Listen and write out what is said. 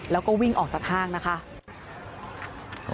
แล้วก็วิ่งออกจากห้างนะคะ